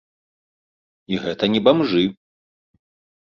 І гэта не бамжы.